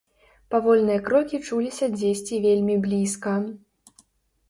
Павольныя крокі чуліся дзесьці вельмі блізка.